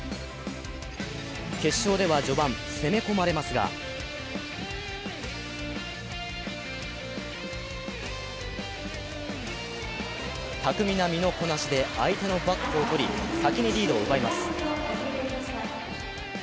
決勝では序盤、攻め込まれますが巧みな身のこなしで相手のバックをとり、先にリードを奪います。